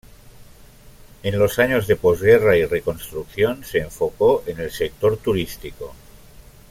En los años de posguerra y reconstrucción, se enfocó en el sector turístico.